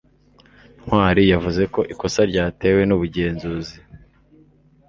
ntwali yavuze ko ikosa ryatewe n'ubugenzuzi